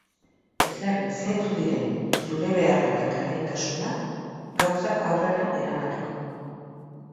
Ezarri zeintzuk diren zure beharrak eta lehentasunak, gauzak aurrera eramateko.